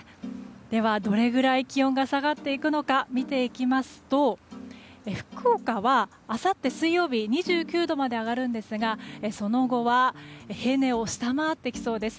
ではどれくらい気温が下がっていくのか見ていきますと福岡は、あさって水曜日２９度まで上がるんですがその後は平年を下回ってきそうです。